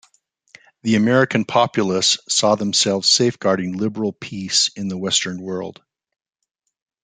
The American populace saw themselves safeguarding liberal peace in the Western World.